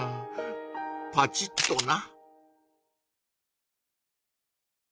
パチッとな。